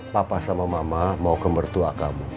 papa sama mama mau ke mertua kamu